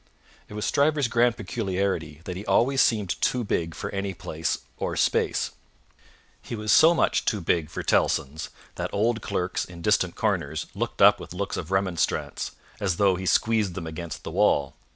It was Stryver's grand peculiarity that he always seemed too big for any place, or space. He was so much too big for Tellson's, that old clerks in distant corners looked up with looks of remonstrance, as though he squeezed them against the wall.